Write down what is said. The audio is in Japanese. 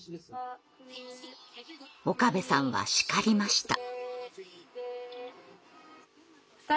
岡部さんは叱りました。